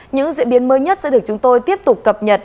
những diễn biến mới nhất sẽ được chúng tôi tiếp tục cập nhật